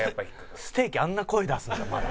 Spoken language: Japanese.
ステーキあんな声出すんだまだ。